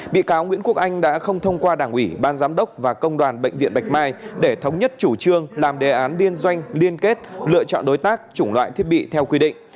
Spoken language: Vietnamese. bị cáo nguyễn quốc anh đã không thông qua đảng ủy ban giám đốc và công đoàn bệnh viện bạch mai để thống nhất chủ trương làm đề án liên doanh liên kết lựa chọn đối tác chủng loại thiết bị theo quy định